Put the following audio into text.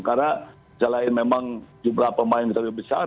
karena selain memang jumlah pemain lebih besar